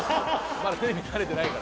まだテレビ慣れてないから。